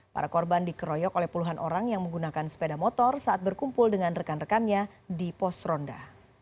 para korban dikeroyok oleh puluhan orang yang menggunakan sepeda motor saat berkumpul dengan rekan rekannya di pos ronda